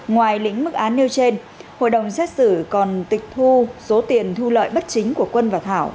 ngoài lĩnh mức án nêu trên hội đồng xét xử còn tịch thu số tiền thu lợi bất chính của quân và thảo